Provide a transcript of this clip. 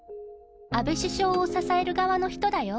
安倍首相を支える側の人だよ。